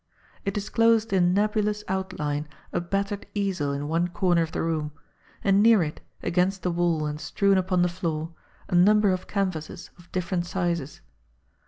It disclosed in nebulous outline a battered easel in one corner of the room, and near it, against the wall and strewn upon the floor, a number of canvases of different sizes.